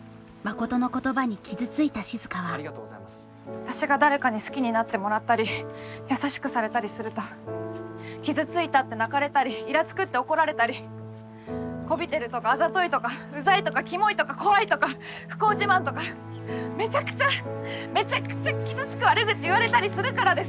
私が誰かに好きになってもらったり優しくされたりすると傷ついたって泣かれたりイラつくって怒られたりこびてるとかあざといとかうざいとかキモいとか怖いとか不幸自慢とかめちゃくちゃめちゃくちゃ傷つく悪口言われたりするからです！